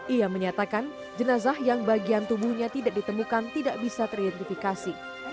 ia menyatakan jenazah yang bagian tubuhnya tidak ditemukan tidak bisa teridentifikasi